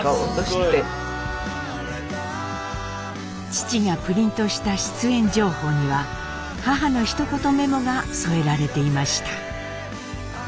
父がプリントした出演情報には母のひと言メモが添えられていました。